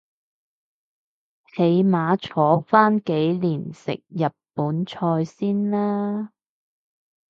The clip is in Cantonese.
起碼坐返幾年食日本菜先啦